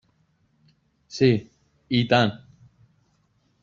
Sí, i tant.